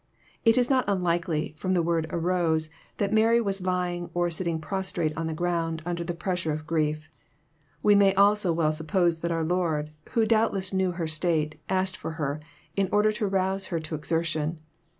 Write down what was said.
It is not unlikely, from the word arose, that Mary was lying or sitting prostrate on the ground, under the pressure of grief. We may also well suppose that our Lord, who doubtless knew her state, asked for her, in order to rouse her to exertion.